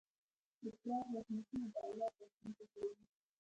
د پلار زحمتونه د اولاد راتلونکی جوړوي.